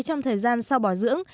trong thời gian sau bảo dưỡng